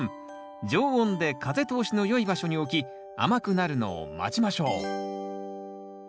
常温で風通しの良い場所に置き甘くなるのを待ちましょう。